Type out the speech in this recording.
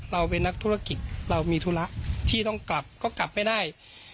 เราเป็นนักธุรกิจเรามีธุระที่ต้องกลับก็กลับไม่ได้